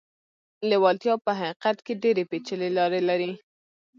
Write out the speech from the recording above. لېوالتیا په حقيقت کې ډېرې پېچلې لارې لري.